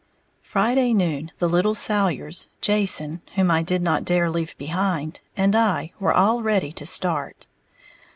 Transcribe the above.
_ Friday noon the little Salyers, Jason (whom I did not dare leave behind) and I were all ready to start.